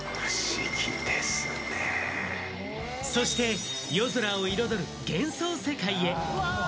そして、夜空を彩る幻想世界へ。